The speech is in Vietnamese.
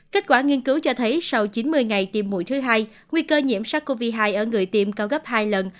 kết quả nghiên cứu cho thấy sau chín mươi ngày tiêm mũi thứ hai nguy cơ nhiễm sars cov hai ở người tiêm cao gấp hai lần